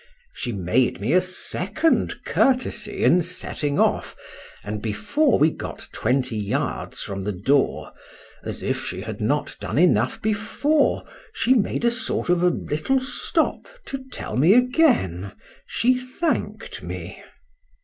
She made me a second courtesy in setting off, and before we got twenty yards from the door, as if she had not done enough before, she made a sort of a little stop to tell me again—she thank'd me.